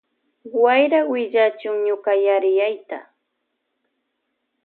Wayra willachun ñuka yariyayta.